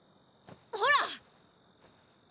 ほら！